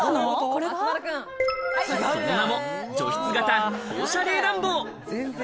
その名も除湿型放射冷暖房。